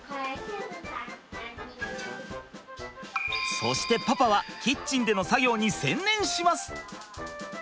そしてパパはキッチンでの作業に専念します。